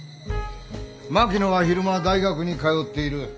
槙野は昼間大学に通っている。